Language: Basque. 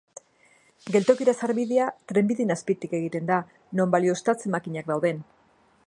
Geltokira sarbidea trenbideen azpitik egiten da, non balioztatze-makinak dauden.